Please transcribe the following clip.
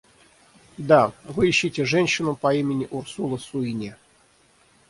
Да, вы ищете женщину по имени Урсула Суини.